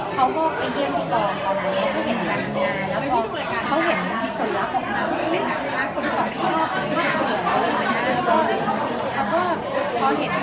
เขาก็ไปเยี่ยมพี่กองตอนนี้เขาก็เห็นแบบนี้แล้วพอเขาเห็นว่าส่วนลักษณ์ของเรา